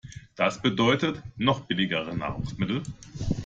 Das bedeutet, noch billigere Nahrungsmittel.